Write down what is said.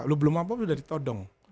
lu belum apa sudah ditodong